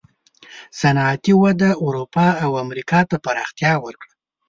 صنعتي وده اروپا او امریکا ته پراختیا وکړه.